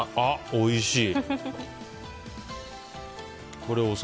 おいしい。